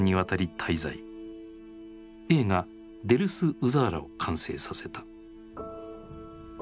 映画「デルス・ウザーラ」を完成させた。